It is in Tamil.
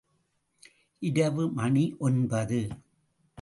இரவு மணி ஒன்பது.